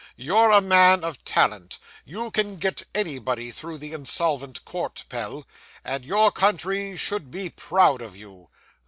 You're a man of talent; you can get anybody through the Insolvent Court, Pell; and your country should be proud of you."